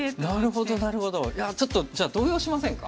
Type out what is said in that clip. いやちょっとじゃあ動揺しませんか？